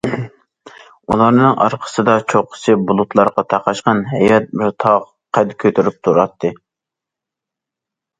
ئۇلارنىڭ ئارقىسىدا چوققىسى بۇلۇتلارغا تاقاشقان ھەيۋەت بىر تاغ قەد كۆتۈرۈپ تۇراتتى.